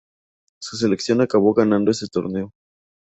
Su selección acabó ganando ese torneo.